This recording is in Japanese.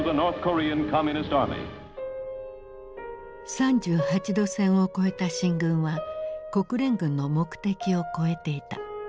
３８度線を越えた進軍は国連軍の目的を超えていた。